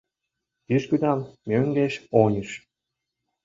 Южгунам мӧҥгеш-оньыш